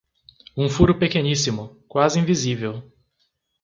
Um furo pequeníssimo, quase invisível.